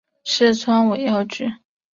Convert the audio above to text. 四川尾药菊